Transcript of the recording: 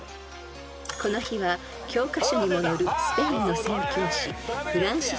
［この日は教科書にも載るスペインの宣教師］